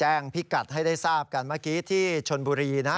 พิกัดให้ได้ทราบกันเมื่อกี้ที่ชนบุรีนะ